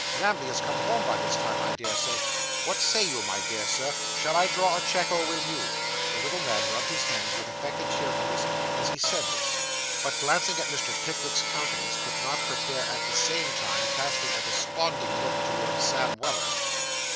Namby is come home by this time, I dare say. What say you, my dear sir? Shall I draw a cheque, or will you?' The little man rubbed his hands with affected cheerfulness as he said this, but glancing at Mr. Pickwick's countenance, could not forbear at the same time casting a desponding look towards Sam Weller.